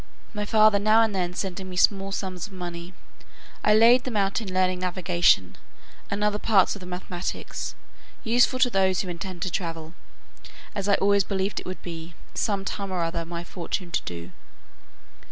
My father now and then sending me small sums of money, I laid them out in learning navigation, and other parts of the mathematics, useful to those who intend to travel, as I always believed it would be, some time or other, my fortune to do.